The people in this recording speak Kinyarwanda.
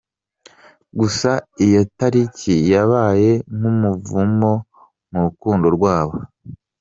Gusa iyo tariki yabaye nkumuvumo mu rukundo rwabo,.